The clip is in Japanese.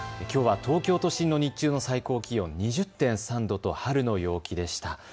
きょうは東京都心の日中の最高気温２０．３度と春の陽気でした。